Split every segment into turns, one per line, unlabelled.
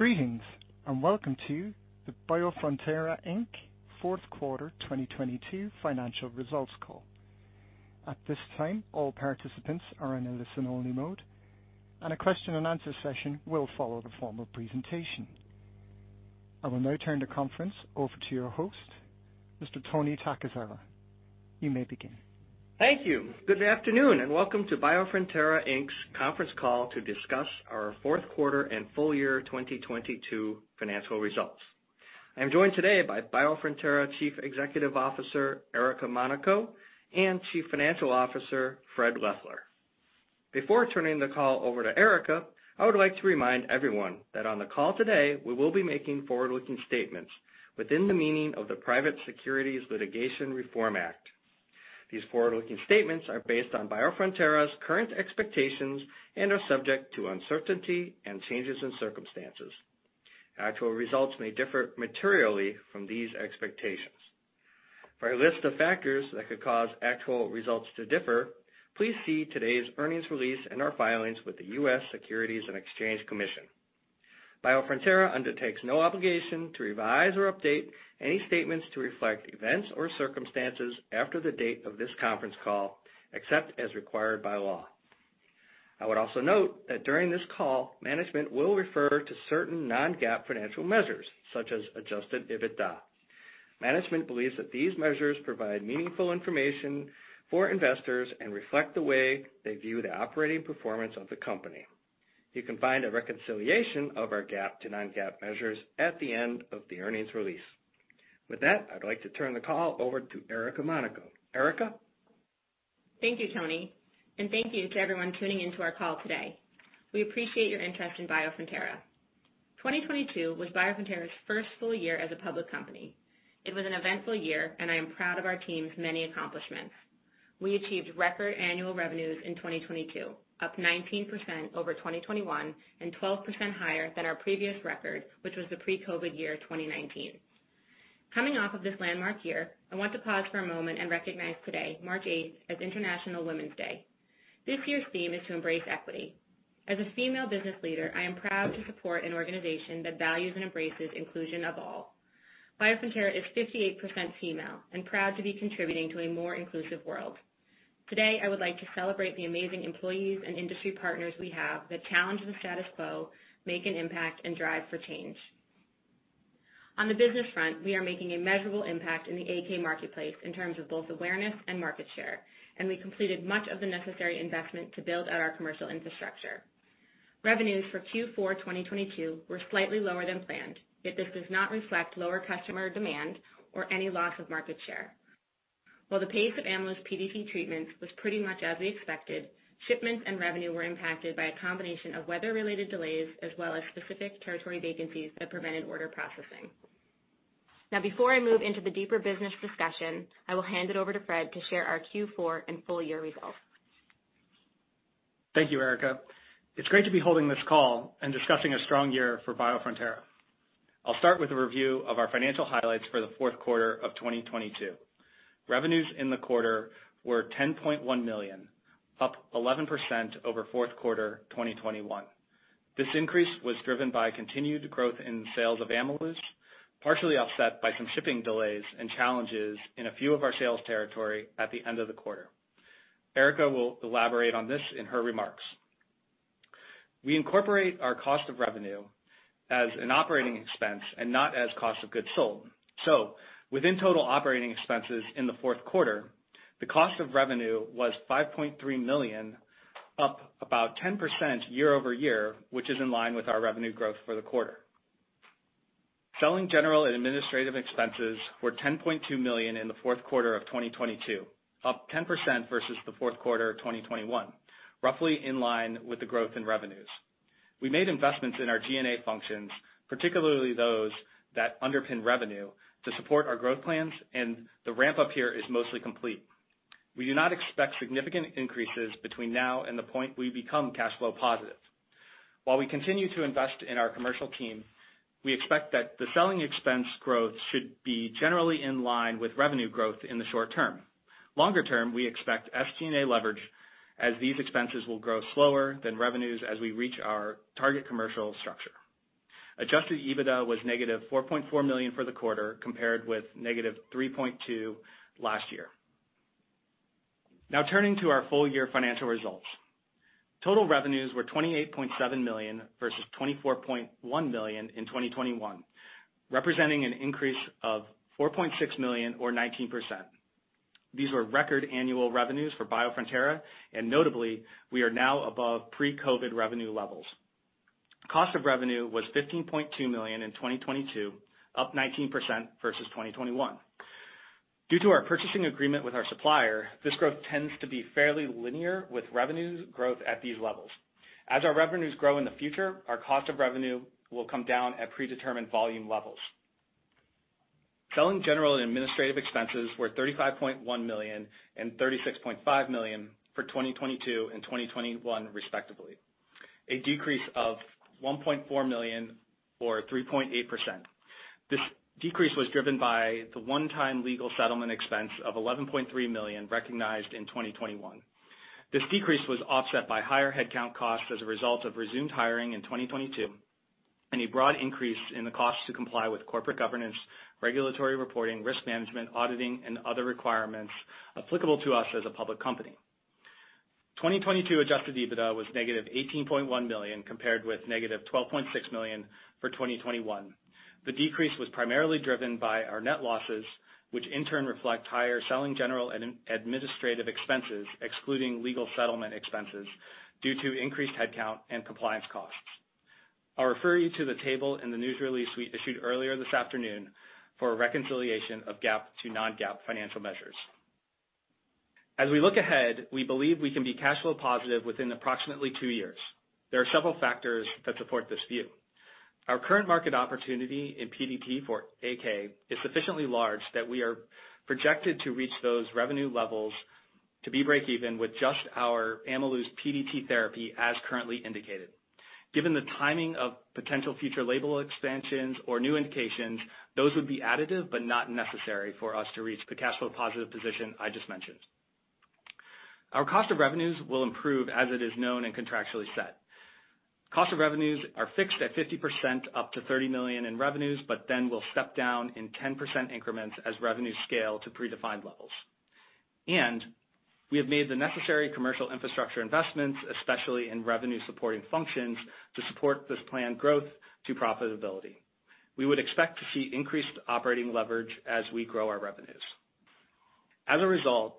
Greetings, welcome to the Biofrontera Inc. fourth quarter 2022 financial results call. At this time, all participants are in a listen-only mode, and a question-and-answer session will follow the formal presentation. I will now turn the conference over to your host, Mr. Tirth Patel. You may begin.
Thank you. Good afternoon, welcome to Biofrontera Inc.'s conference call to discuss our fourth quarter and full year 2022 financial results. I'm joined today by Biofrontera Chief Executive Officer, Erica Monaco, and Chief Financial Officer, Fred Leffler. Before turning the call over to Erica, I would like to remind everyone that on the call today, we will be making forward-looking statements within the meaning of the Private Securities Litigation Reform Act. These forward-looking statements are based on Biofrontera's current expectations and are subject to uncertainty and changes in circumstances. Actual results may differ materially from these expectations. For a list of factors that could cause actual results to differ, please see today's earnings release and our filings with the U.S. Securities and Exchange Commission. Biofrontera undertakes no obligation to revise or update any statements to reflect events or circumstances after the date of this conference call, except as required by law. I would also note that during this call, management will refer to certain non-GAAP financial measures, such as Adjusted EBITDA. Management believes that these measures provide meaningful information for investors and reflect the way they view the operating performance of the company. You can find a reconciliation of our GAAP to non-GAAP measures at the end of the earnings release. With that, I'd like to turn the call over to Erica Monaco. Erica.
Thank you, Tirth, thank you to everyone tuning in to our call today. We appreciate your interest in Biofrontera. 2022 was Biofrontera's first full year as a public company. It was an eventful year, and I am proud of our team's many accomplishments. We achieved record annual revenues in 2022, up 19% over 2021 and 12% higher than our previous record, which was the pre-COVID year, 2019. Coming off of this landmark year, I want to pause for a moment and recognize today, March 8, as International Women's Day. This year's theme is to embrace equity. As a female business leader, I am proud to support an organization that values and embraces inclusion of all. Biofrontera is 58% female and proud to be contributing to a more inclusive world. Today, I would like to celebrate the amazing employees and industry partners we have that challenge the status quo, make an impact, and drive for change. On the business front, we are making a measurable impact in the AK marketplace in terms of both awareness and market share. We completed much of the necessary investment to build out our commercial infrastructure. Revenues for Q4 2022 were slightly lower than planned, yet this does not reflect lower customer demand or any loss of market share. While the pace of Ameluz PDT treatment was pretty much as we expected, shipments and revenue were impacted by a combination of weather-related delays as well as specific territory vacancies that prevented order processing. Before I move into the deeper business discussion, I will hand it over to Fred to share our Q4 and full year results.
Thank you, Erica. It's great to be holding this call and discussing a strong year for Biofrontera. I'll start with a review of our financial highlights for the fourth quarter of 2022. Revenues in the quarter were $10.1 million, up 11% over fourth quarter 2021. This increase was driven by continued growth in sales of Ameluz, partially offset by some shipping delays and challenges in a few of our sales territory at the end of the quarter. Erica will elaborate on this in her remarks. We incorporate our cost of revenue as an operating expense and not as cost of goods sold. Within total operating expenses in the fourth quarter, the cost of revenue was $5.3 million, up about 10% year-over-year, which is in line with our revenue growth for the quarter. Selling general and administrative expenses were $10.2 million in the fourth quarter of 2022, up 10% versus the fourth quarter of 2021, roughly in line with the growth in revenues. We made investments in our G&A functions, particularly those that underpin revenue to support our growth plans. The ramp-up here is mostly complete. We do not expect significant increases between now and the point we become cash flow positive. While we continue to invest in our commercial team, we expect that the selling expense growth should be generally in line with revenue growth in the short term. Longer term, we expect SG&A leverage as these expenses will grow slower than revenues as we reach our target commercial structure. Adjusted EBITDA was -$4.4 million for the quarter, compared with -$3.2 last year. Now turning to our full year financial results. Total revenues were $28.7 million versus $24.1 million in 2021, representing an increase of $4.6 million or 19%. These were record annual revenues for Biofrontera, and notably, we are now above pre-COVID revenue levels. Cost of revenue was $15.2 million in 2022, up 19% versus 2021. Due to our purchasing agreement with our supplier, this growth tends to be fairly linear with revenue growth at these levels. As our revenues grow in the future, our cost of revenue will come down at predetermined volume levels. Selling general and administrative expenses were $35.1 million and $36.5 million for 2022 and 2021 respectively. A decrease of $1.4 million or 3.8%. This decrease was driven by the one-time legal settlement expense of $11.3 million recognized in 2021. This decrease was offset by higher headcount costs as a result of resumed hiring in 2022, and a broad increase in the cost to comply with corporate governance, regulatory reporting, risk management, auditing, and other requirements applicable to us as a public company. 2022 Adjusted EBITDA was -$18.1 million, compared with -$12.6 million for 2021. The decrease was primarily driven by our net losses, which in turn reflect higher selling general and administrative expenses, excluding legal settlement expenses, due to increased headcount and compliance costs. I'll refer you to the table in the news release we issued earlier this afternoon for a reconciliation of GAAP to non-GAAP financial measures. As we look ahead, we believe we can be cash flow positive within approximately two years. There are several factors that support this view. Our current market opportunity in PDT for AK is sufficiently large that we are projected to reach those revenue levels to be breakeven with just our Ameluz PDT therapy as currently indicated. Given the timing of potential future label expansions or new indications, those would be additive, but not necessary for us to reach the cash flow positive position I just mentioned. Our cost of revenues will improve as it is known and contractually set. Cost of revenues are fixed at 50% up to $30 million in revenues, but then will step down in 10% increments as revenues scale to predefined levels. We have made the necessary commercial infrastructure investments, especially in revenue-supporting functions, to support this planned growth to profitability. We would expect to see increased operating leverage as we grow our revenues. As a result,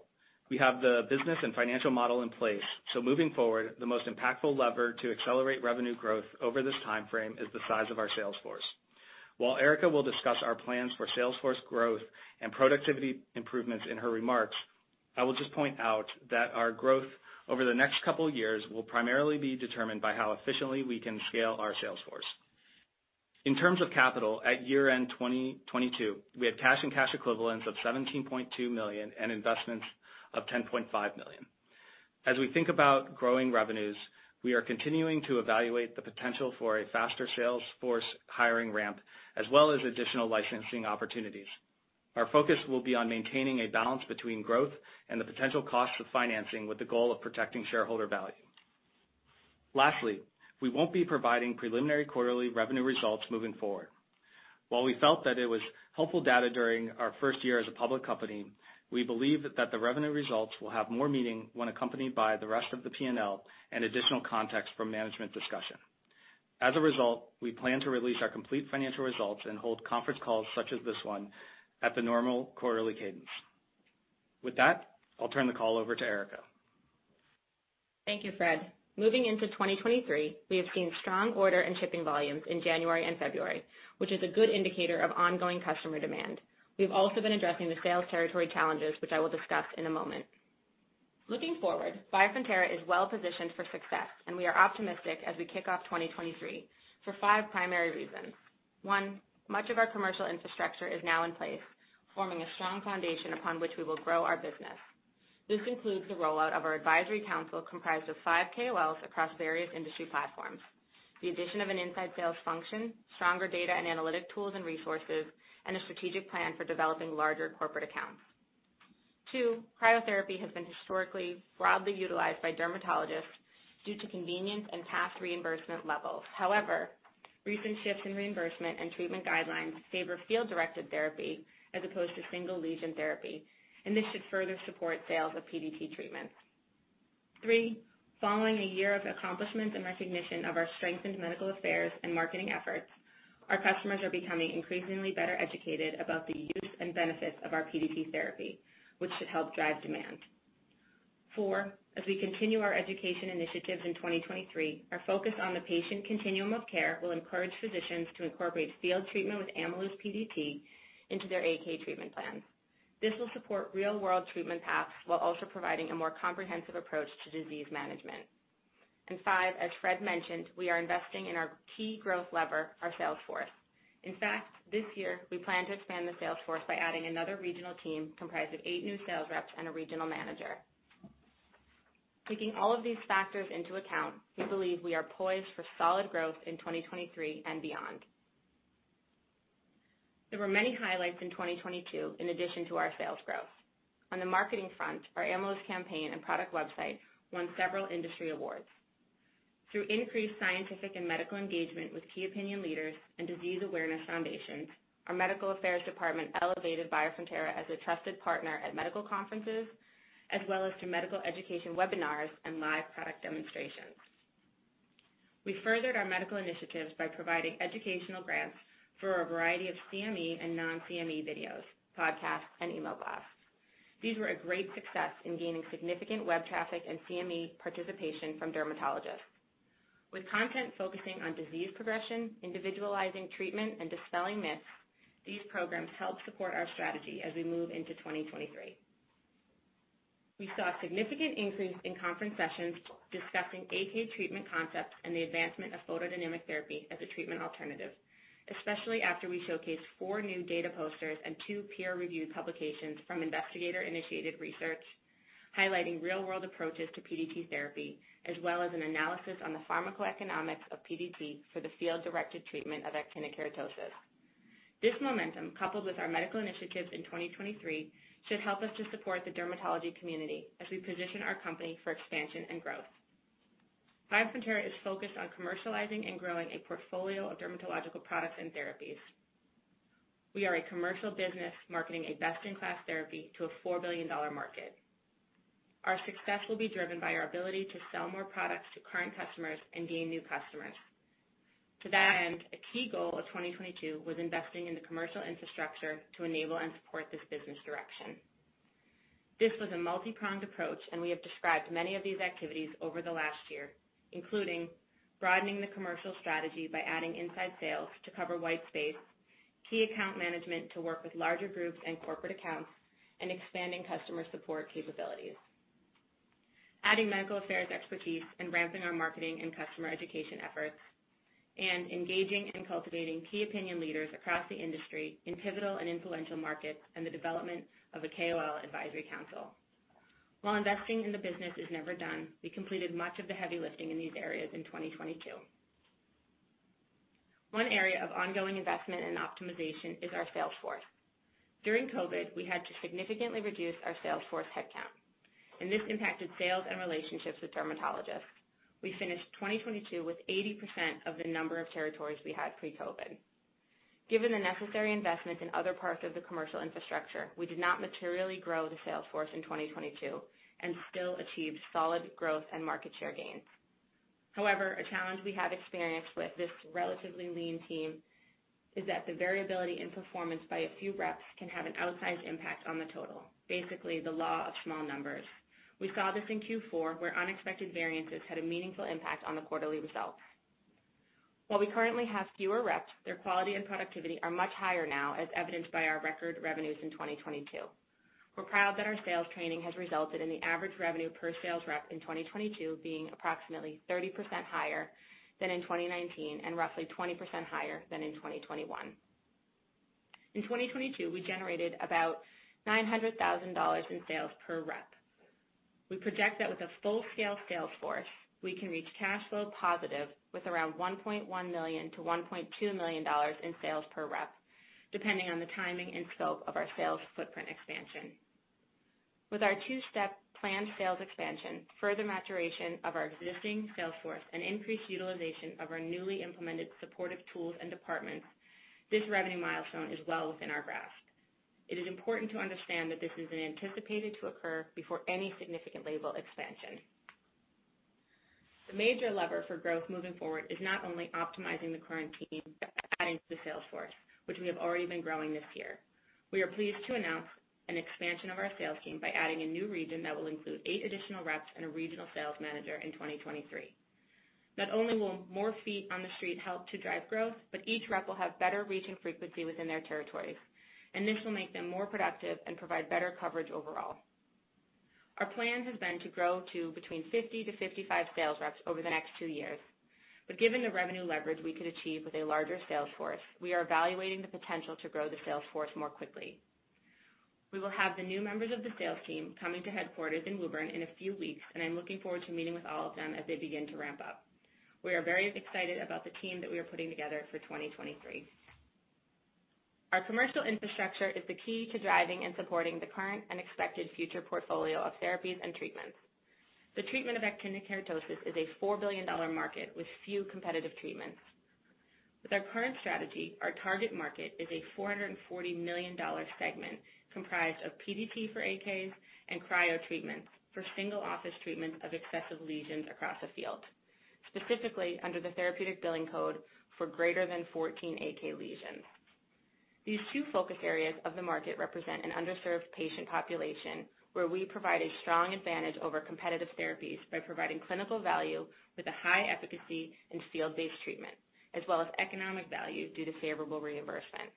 we have the business and financial model in place, so moving forward, the most impactful lever to accelerate revenue growth over this timeframe is the size of our sales force. While Erica will discuss our plans for sales force growth and productivity improvements in her remarks, I will just point out that our growth over the next couple years will primarily be determined by how efficiently we can scale our sales force. In terms of capital, at year-end 2022, we had cash and cash equivalents of $17.2 million and investments of $10.5 million. As we think about growing revenues, we are continuing to evaluate the potential for a faster sales force hiring ramp, as well as additional licensing opportunities. Our focus will be on maintaining a balance between growth and the potential costs of financing with the goal of protecting shareholder value. Lastly, we won't be providing preliminary quarterly revenue results moving forward. While we felt that it was helpful data during our first year as a public company, we believe that the revenue results will have more meaning when accompanied by the rest of the P&L and additional context from management discussion. As a result, we plan to release our complete financial results and hold conference calls such as this one at the normal quarterly cadence. With that, I'll turn the call over to Erica.
Thank you, Fred. Moving into 2023, we have seen strong order and shipping volumes in January and February, which is a good indicator of ongoing customer demand. We've also been addressing the sales territory challenges, which I will discuss in a moment. Looking forward, Biofrontera is well positioned for success. We are optimistic as we kick off 2023 for five primary reasons. One, much of our commercial infrastructure is now in place, forming a strong foundation upon which we will grow our business. This includes the rollout of our advisory council comprised of five KOLs across various industry platforms, the addition of an inside sales function, stronger data and analytic tools and resources, and a strategic plan for developing larger corporate accounts. Two, cryotherapy has been historically broadly utilized by dermatologists due to convenience and past reimbursement levels. However, recent shifts in reimbursement and treatment guidelines favor field-directed therapy as opposed to single-lesion therapy, and this should further support sales of PDT treatments. Three, following a year of accomplishments and recognition of our strengthened medical affairs and marketing efforts, our customers are becoming increasingly better educated about the use and benefits of our PDT therapy, which should help drive demand. Four, as we continue our education initiatives in 2023, our focus on the patient continuum of care will encourage physicians to incorporate field treatment with Ameluz PDT into their AK treatment plans. This will support real-world treatment paths while also providing a more comprehensive approach to disease management. Five, as Fred mentioned, we are investing in our key growth lever, our sales force. In fact, this year, we plan to expand the sales force by adding another regional team comprised of eight new sales reps and a regional manager. Taking all of these factors into account, we believe we are poised for solid growth in 2023 and beyond. There were many highlights in 2022 in addition to our sales growth. On the marketing front, our Ameluz campaign and product website won several industry awards. Through increased scientific and medical engagement with key opinion leaders and disease awareness foundations, our medical affairs department elevated Biofrontera as a trusted partner at medical conferences, as well as through medical education webinars and live product demonstrations. We furthered our medical initiatives by providing educational grants for a variety of CME and non-CME videos, podcasts, and email blasts. These were a great success in gaining significant web traffic and CME participation from dermatologists. With content focusing on disease progression, individualizing treatment, and dispelling myths, these programs help support our strategy as we move into 2023. We saw a significant increase in conference sessions discussing AK treatment concepts and the advancement of photodynamic therapy as a treatment alternative, especially after we showcased four new data posters and two peer-reviewed publications from investigator-initiated research highlighting real-world approaches to PDT therapy, as well as an analysis on the pharmacoeconomics of PDT for the field-directed treatment of actinic keratosis. This momentum, coupled with our medical initiatives in 2023, should help us to support the dermatology community as we position our company for expansion and growth. Biofrontera is focused on commercializing and growing a portfolio of dermatological products and therapies. We are a commercial business marketing a best-in-class therapy to a $4 billion market. Our success will be driven by our ability to sell more products to current customers and gain new customers. To that end, a key goal of 2022 was investing in the commercial infrastructure to enable and support this business direction. This was a multi-pronged approach, we have described many of these activities over the last year, including broadening the commercial strategy by adding inside sales to cover wide space, key account management to work with larger groups and corporate accounts, and expanding customer support capabilities. Adding medical affairs expertise and ramping our marketing and customer education efforts and engaging and cultivating key opinion leaders across the industry in pivotal and influential markets, and the development of a KOL advisory council. While investing in the business is never done, we completed much of the heavy lifting in these areas in 2022. One area of ongoing investment and optimization is our sales force. During COVID, we had to significantly reduce our sales force headcount, and this impacted sales and relationships with dermatologists. We finished 2022 with 80% of the number of territories we had pre-COVID. Given the necessary investment in other parts of the commercial infrastructure, we did not materially grow the sales force in 2022 and still achieved solid growth and market share gains. However, a challenge we have experienced with this relatively lean team is that the variability in performance by a few reps can have an outsized impact on the total. Basically, the law of small numbers. We saw this in Q4, where unexpected variances had a meaningful impact on the quarterly results. While we currently have fewer reps, their quality and productivity are much higher now, as evidenced by our record revenues in 2022. We're proud that our sales training has resulted in the average revenue per sales rep in 2022 being approximately 30% higher than in 2019 and roughly 20% higher than in 2021. In 2022, we generated about $900,000 in sales per rep. We project that with a full-scale sales force, we can reach cash flow positive with around $1.1 million-$1.2 million in sales per rep, depending on the timing and scope of our sales footprint expansion. With our two-step planned sales expansion, further maturation of our existing sales force, and increased utilization of our newly implemented supportive tools and departments, this revenue milestone is well within our grasp. It is important to understand that this isn't anticipated to occur before any significant label expansion. The major lever for growth moving forward is not only optimizing the current team, but adding to the sales force, which we have already been growing this year. We are pleased to announce an expansion of our sales team by adding a new region that will include eight additional reps and a regional sales manager in 2023. Not only will more feet on the street help to drive growth, but each rep will have better reach and frequency within their territories, and this will make them more productive and provide better coverage overall. Our plan has been to grow to between 50-55 sales reps over the next two years. Given the revenue leverage we could achieve with a larger sales force, we are evaluating the potential to grow the sales force more quickly. We will have the new members of the sales team coming to headquarters in Woburn in a few weeks, and I'm looking forward to meeting with all of them as they begin to ramp up. We are very excited about the team that we are putting together for 2023. Our commercial infrastructure is the key to driving and supporting the current and expected future portfolio of therapies and treatments. The treatment of actinic keratosis is a $4 billion market with few competitive treatments. With our current strategy, our target market is a $440 million segment comprised of PDT for AKs and cryo treatments for single office treatments of excessive lesions across a field, specifically under the therapeutic billing code for greater than 14 AK lesions. These two focus areas of the market represent an underserved patient population where we provide a strong advantage over competitive therapies by providing clinical value with a high efficacy and field-based treatment, as well as economic value due to favorable reimbursement.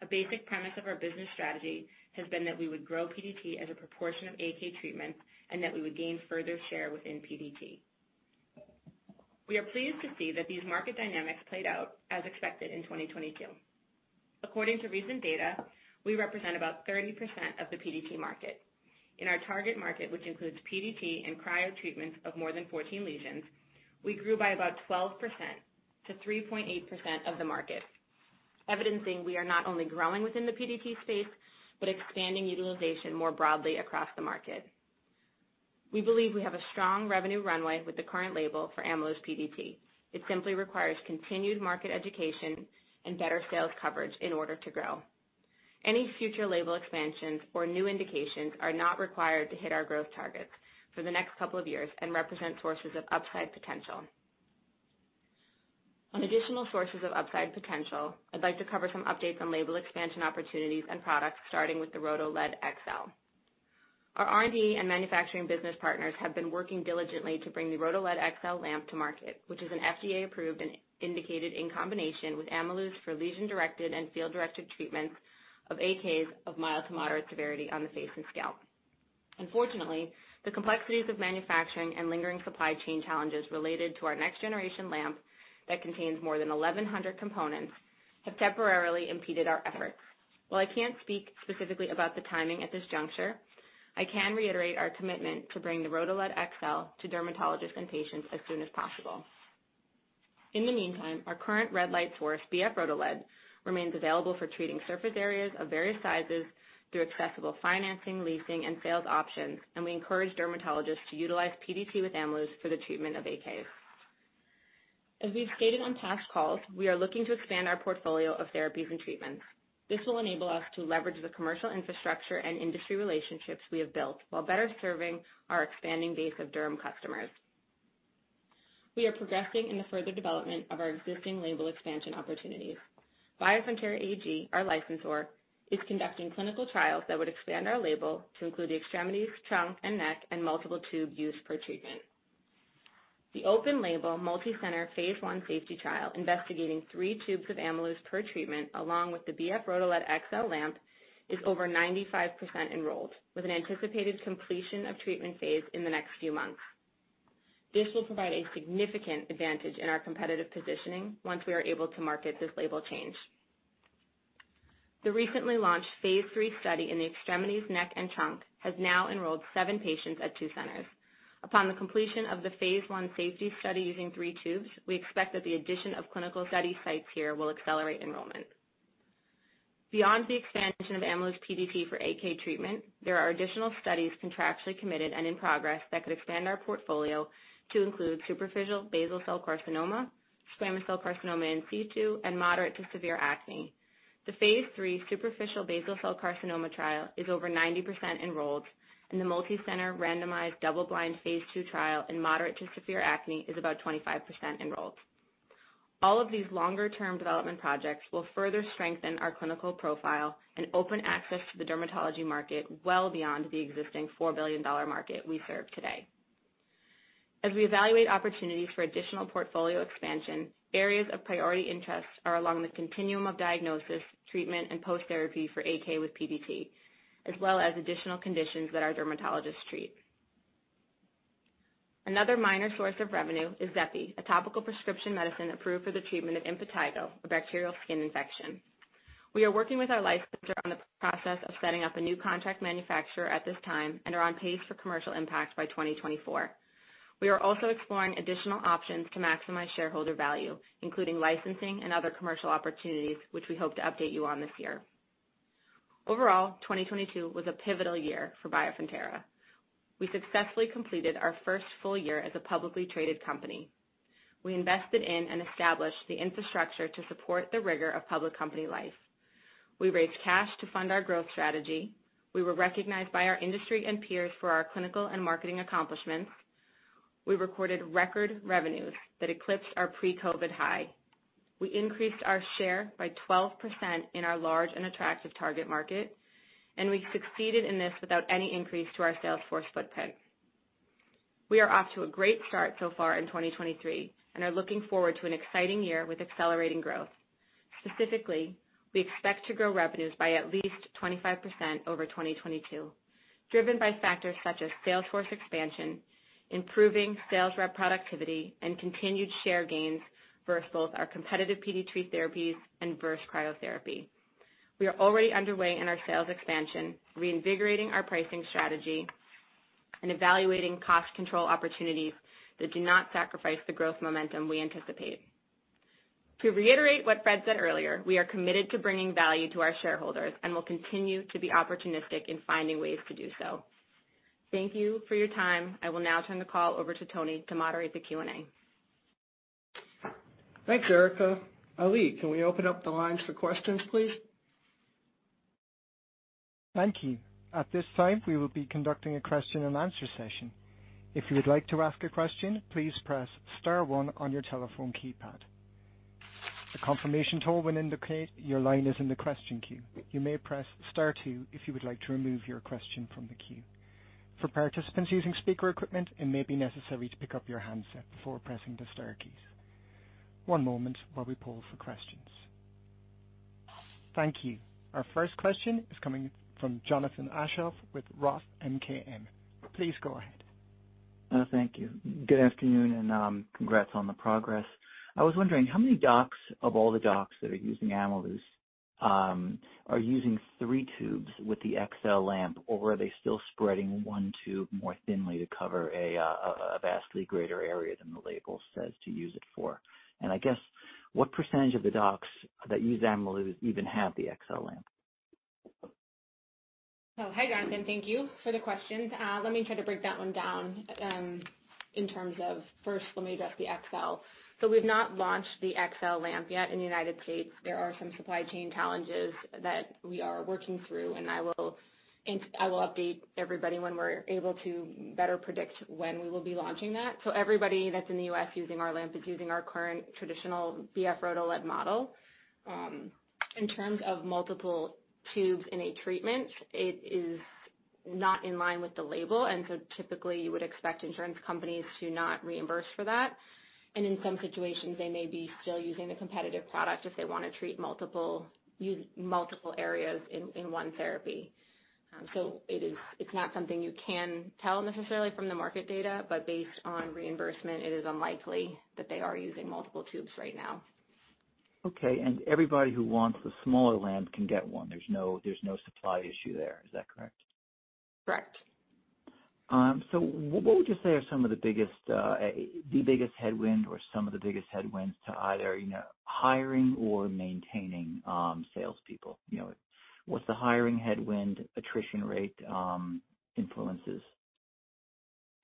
A basic premise of our business strategy has been that we would grow PDT as a proportion of AK treatments and that we would gain further share within PDT. We are pleased to see that these market dynamics played out as expected in 2022. According to recent data, we represent about 30% of the PDT market. In our target market, which includes PDT and cryo treatments of more than 14 lesions, we grew by about 12%-3.8% of the market, evidencing we are not only growing within the PDT space, but expanding utilization more broadly across the market. We believe we have a strong revenue runway with the current label for Ameluz PDT. It simply requires continued market education and better sales coverage in order to grow. Any future label expansions or new indications are not required to hit our growth targets for the next couple of years and represent sources of upside potential. On additional sources of upside potential, I'd like to cover some updates on label expansion opportunities and products, starting with the RhodoLED XL. Our R&D and manufacturing business partners have been working diligently to bring the RhodoLED XL lamp to market, which is an FDA-approved and indicated in combination with Ameluz for lesion-directed and field-directed treatments of AKs of mild to moderate severity on the face and scalp. Unfortunately, the complexities of manufacturing and lingering supply chain challenges related to our next-generation lamp that contains more than 1,100 components have temporarily impeded our efforts. While I can't speak specifically about the timing at this juncture, I can reiterate our commitment to bring the RhodoLED XL to dermatologists and patients as soon as possible. In the meantime, our current red light source, BF-RhodoLED, remains available for treating surface areas of various sizes through accessible financing, leasing, and sales options, and we encourage dermatologists to utilize PDT with Ameluz for the treatment of AKs. As we've stated on past calls, we are looking to expand our portfolio of therapies and treatments. This will enable us to leverage the commercial infrastructure and industry relationships we have built while better serving our expanding base of derm customers. We are progressing in the further development of our existing label expansion opportunities. Biofrontera AG, our licensor, is conducting clinical trials that would expand our label to include the extremities, trunk, and neck, and multiple tube use per treatment. The open-label, multicenter Phase I safety trial investigating 3 tubes of Ameluz per treatment along with the BF-RhodoLED XL lamp is over 95% enrolled, with an anticipated completion of treatment phase in the next few months. This will provide a significant advantage in our competitive positioning once we are able to market this label change. The recently launched Phase III study in the extremities, neck, and trunk has now enrolled seven patients at two centers. Upon the completion of the Phase I safety study using 3 tubes, we expect that the addition of clinical study sites here will accelerate enrollment. Beyond the expansion of Ameluz PDT for AK treatment, there are additional studies contractually committed and in progress that could expand our portfolio to include superficial basal cell carcinoma, squamous cell carcinoma in situ, and moderate to severe acne. The Phase III superficial basal cell carcinoma trial is over 90% enrolled, and the multicenter randomized double-blind Phase II trial in moderate to severe acne is about 25% enrolled. All of these longer-term development projects will further strengthen our clinical profile and open access to the dermatology market well beyond the existing $4 billion market we serve today. As we evaluate opportunities for additional portfolio expansion, areas of priority interest are along the continuum of diagnosis, treatment, and post-therapy for AK with PDT, as well as additional conditions that our dermatologists treat. Another minor source of revenue is Xepi, a topical prescription medicine approved for the treatment of impetigo, a bacterial skin infection. We are working with our licensor on the process of setting up a new contract manufacturer at this time and are on pace for commercial impact by 2024. We are also exploring additional options to maximize shareholder value, including licensing and other commercial opportunities, which we hope to update you on this year. Overall, 2022 was a pivotal year for Biofrontera. We successfully completed our first full year as a publicly traded company. We invested in and established the infrastructure to support the rigor of public company life. We raised cash to fund our growth strategy. We were recognized by our industry and peers for our clinical and marketing accomplishments. We recorded record revenues that eclipsed our pre-COVID high. We increased our share by 12% in our large and attractive target market. We succeeded in this without any increase to our sales force footprint. We are off to a great start so far in 2023. Are looking forward to an exciting year with accelerating growth. Specifically, we expect to grow revenues by at least 25% over 2022, driven by factors such as sales force expansion, improving sales rep productivity, and continued share gains versus both our competitive PDT therapies and versus cryotherapy. We are already underway in our sales expansion, reinvigorating our pricing strategy and evaluating cost control opportunities that do not sacrifice the growth momentum we anticipate. To reiterate what Fred said earlier, we are committed to bringing value to our shareholders and will continue to be opportunistic in finding ways to do so. Thank you for your time. I will now turn the call overto Tirth to moderate the Q&A.
Thanks, Erica. Ali, can we open up the lines for questions, please?
Thank you. At this time, we will be conducting a question-and-answer session. If you would like to ask a question, please press star one on your telephone keypad. A confirmation tone will indicate your line is in the question queue. You may press star two if you would like to remove your question from the queue. For participants using speaker equipment, it may be necessary to pick up your handset before pressing the star keys. One moment while we poll for questions. Thank you. Our first question is coming from Jonathan Aschoff with ROTH MKM. Please go ahead.
Thank you. Good afternoon, congrats on the progress. I was wondering how many docs of all the docs that are using Ameluz are using 3 tubes with the XL lamp, or are they still spreading 1 tube more thinly to cover a vastly greater area than the label says to use it for? I guess what percentage of the docs that use Ameluz even have the XL lamp?
Hi, Jonathan. Thank you for the questions. Let me try to break that one down, in terms of first let me address the XL. We've not launched the XL lamp yet in the United States. There are some supply chain challenges that we are working through, and I will update everybody when we're able to better predict when we will be launching that. Everybody that's in the U.S. using our lamp is using our current traditional BF-RhodoLED model. In terms of multiple tubes in a treatment, it is not in line with the label, typically, you would expect insurance companies to not reimburse for that. In some situations, they may be still using the competitive product if they wanna treat multiple areas in one therapy. It's not something you can tell necessarily from the market data, but based on reimbursement, it is unlikely that they are using multiple tubes right now.
Okay. Everybody who wants the smaller lamp can get one. There's no supply issue there. Is that correct?
Correct.
What would you say are some of the biggest headwind or some of the biggest headwinds to either, you know, hiring or maintaining salespeople? You know, what's the hiring headwind attrition rate influences?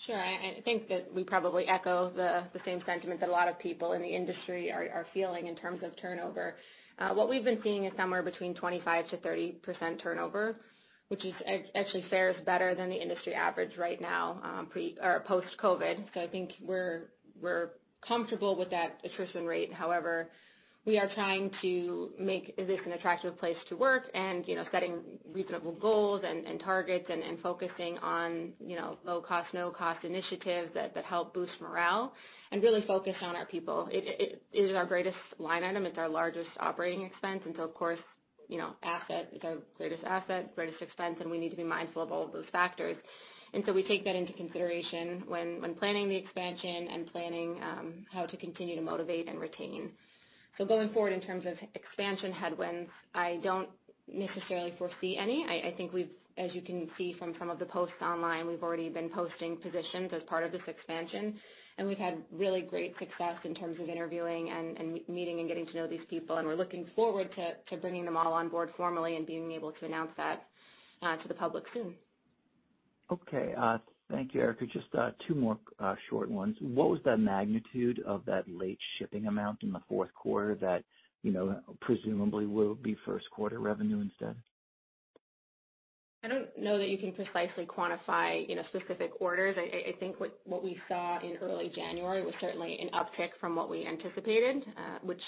Sure. I think that we probably echo the same sentiment that a lot of people in the industry are feeling in terms of turnover. What we've been seeing is somewhere between 25%-30% turnover, which actually fares better than the industry average right now, pre or post COVID. I think we're comfortable with that attrition rate. However, we are trying to make this an attractive place to work and, you know, setting reasonable goals and targets and focusing on, you know, low cost, no cost initiatives that help boost morale and really focus on our people. It is our greatest line item. It's our largest operating expense. Of course, you know, it's our greatest asset, greatest expense, and we need to be mindful of all of those factors. We take that into consideration when planning the expansion and planning how to continue to motivate and retain. Going forward, in terms of expansion headwinds, I don't necessarily foresee any. I think we've as you can see from some of the posts online, we've already been posting positions as part of this expansion. We've had really great success in terms of interviewing and meeting and getting to know these people. We're looking forward to bringing them all on board formally and being able to announce that to the public soon.
Okay. Thank you, Erica. Just two more short ones. What was the magnitude of that late shipping amount in the fourth quarter that, you know, presumably will be first quarter revenue instead?
I don't know that you can precisely quantify, you know, specific orders. I think what we saw in early January was certainly an uptick from what we anticipated, which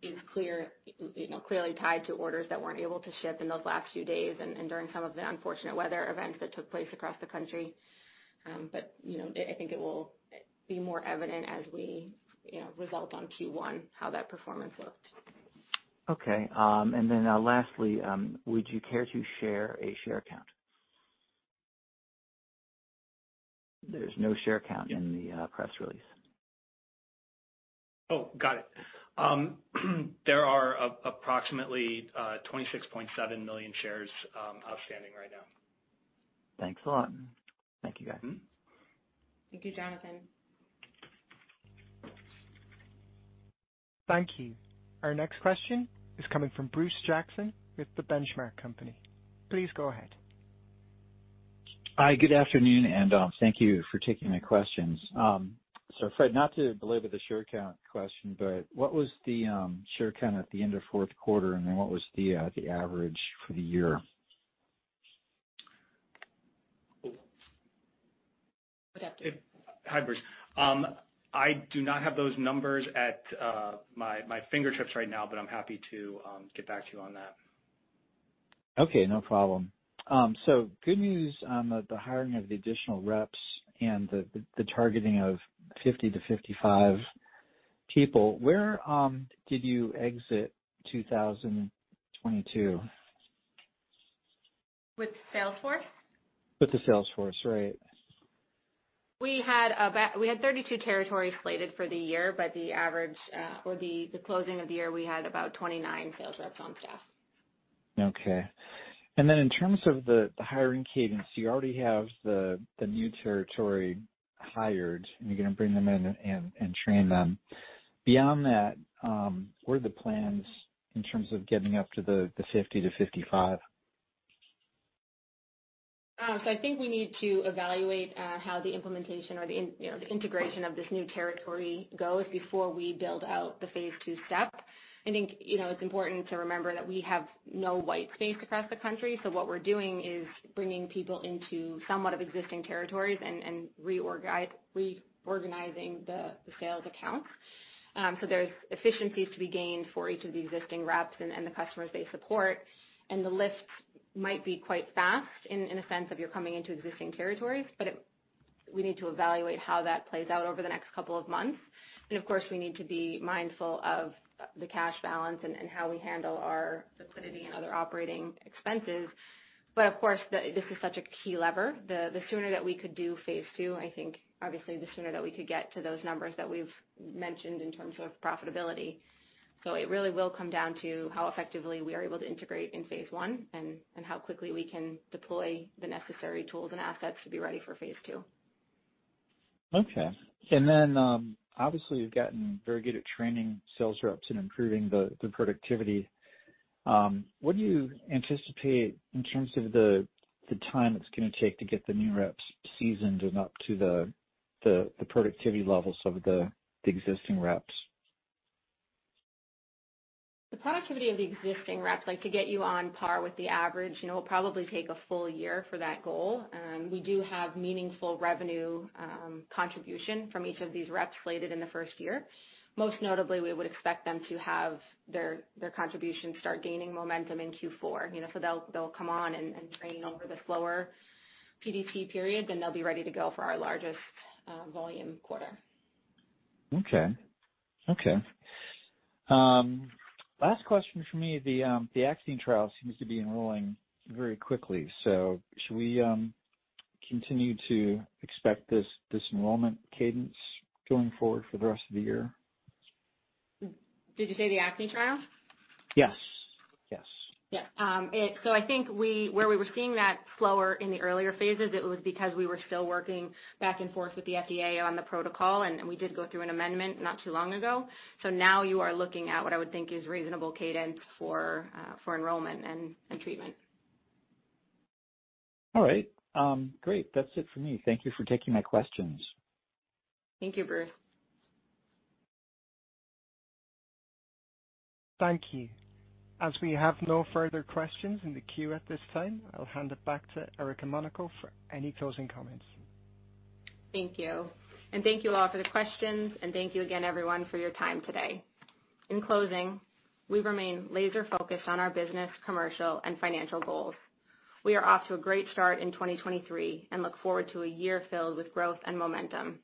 is clear, you know, clearly tied to orders that weren't able to ship in those last few days and during some of the unfortunate weather events that took place across the country. You know, I think it will be more evident as we, you know, result on Q1, how that performance looked.
Okay. Lastly, would you care to share a share count? There's no share count in the press release.
Oh, got it. There are approximately 26.7 million shares outstanding right now.
Thanks a lot. Thank you, guys.
Thank you, Jonathan.
Thank you. Our next question is coming from Bruce Jackson with The Benchmark Company. Please go ahead.
Hi, good afternoon, and thank you for taking my questions. Fred, not to belabor the share count question, but what was the share count at the end of fourth quarter, and then what was the average for the year?
Hi, Bruce. I do not have those numbers at my fingertips right now, but I'm happy to get back to you on that.
Okay, no problem. Good news on the hiring of the additional reps and the targeting of 50-55 people. Where did you exit 2022?
With sales force?
With the sales force, right.
We had 32 territories slated for the year, but the average, or the closing of the year, we had about 29 sales reps on staff.
Okay. In terms of the hiring cadence, you already have the new territory hired, and you're gonna bring them in and train them. Beyond that, what are the plans in terms of getting up to the 50-55?
I think we need to evaluate how the integration of this new territory goes before we build out the Phase II step. I think, you know, it's important to remember that we have no white space across the country. What we're doing is bringing people into somewhat of existing territories and reorganizing the sales accounts. There's efficiencies to be gained for each of the existing reps and the customers they support. The lift might be quite fast in a sense of you're coming into existing territories, but we need to evaluate how that plays out over the next couple of months. Of course, we need to be mindful of the cash balance and how we handle our liquidity and other operating expenses. Of course, this is such a key lever. The sooner that we could do Phase II, I think obviously the sooner that we could get to those numbers that we've mentioned in terms of profitability. It really will come down to how effectively we are able to integrate in Phase I and how quickly we can deploy the necessary tools and assets to be ready for Phase II.
Okay. Obviously, you've gotten very good at training sales reps and improving the productivity. What do you anticipate in terms of the time it's going to take to get the new reps seasoned and up to the productivity levels of the existing reps?
The productivity of the existing reps, like to get you on par with the average, you know, will probably take a full year for that goal. We do have meaningful revenue, contribution from each of these reps slated in the first year. Most notably, we would expect them to have their contributions start gaining momentum in Q4. You know, so they'll come on and train over the slower PDT period, then they'll be ready to go for our largest, volume quarter.
Okay. Okay. last question for me. The ACT trial seems to be enrolling very quickly, should we continue to expect this enrollment cadence going forward for the rest of the year?
Did you say the ACT trial?
Yes. Yes.
Yeah. I think where we were seeing that slower in the earlier phases, it was because we were still working back and forth with the FDA on the protocol, and we did go through an amendment not too long ago. Now you are looking at what I would think is reasonable cadence for enrollment and treatment.
All right. Great. That's it for me. Thank you for taking my questions.
Thank you, Bruce.
Thank you. As we have no further questions in the queue at this time, I'll hand it back to Erica Monaco for any closing comments.
Thank you. Thank you all for the questions, and thank you again, everyone, for your time today. In closing, we remain laser-focused on our business, commercial, and financial goals. We are off to a great start in 2023 and look forward to a year filled with growth and momentum.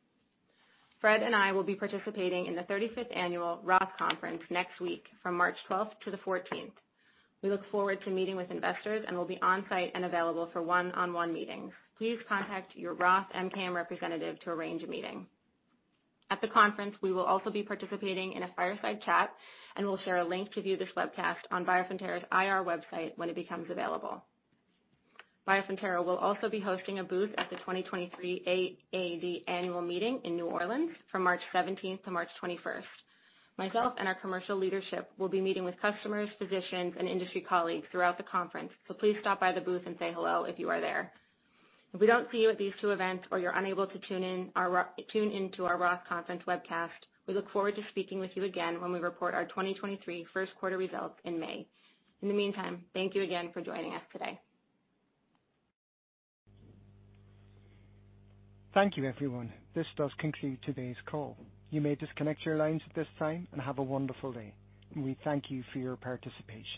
Fred and I will be participating in the 35th annual Roth Conference next week from March 12th to the 14th. We look forward to meeting with investors and will be on-site and available for one-on-one meetings. Please contact your Roth MKM representative to arrange a meeting. At the conference, we will also be participating in a fireside chat, and we'll share a link to view this webcast on Biofrontera's IR website when it becomes available. Biofrontera will also be hosting a booth at the 2023 AAD annual meeting in New Orleans from March 17th to March 21st. Myself and our commercial leadership will be meeting with customers, physicians, and industry colleagues throughout the conference. Please stop by the booth and say hello if you are there. If we don't see you at these two events or you're unable to tune in to our Roth Conference webcast, we look forward to speaking with you again when we report our 2023 first quarter results in May. In the meantime, thank you again for joining us today.
Thank you, everyone. This does conclude today's call. You may disconnect your lines at this time, and have a wonderful day. We thank you for your participation.